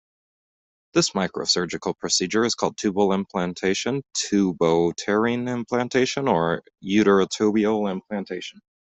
This microsurgical procedure is called tubal implantation, tubouterine implantation, or uterotubal implantation.